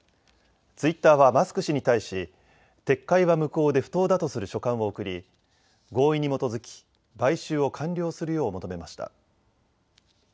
ツイッターはマスク氏に対し撤回は無効で不当だとする書簡を送り、合意に基づき買収を完了するよう求めました。